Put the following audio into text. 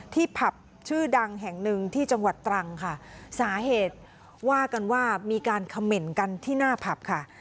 ผับชื่อดังแห่งหนึ่งที่จังหวัดตรังค่ะสาเหตุว่ากันว่ามีการเขม่นกันที่หน้าผับค่ะ